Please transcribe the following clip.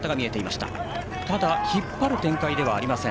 ただ、引っ張る展開ではありません。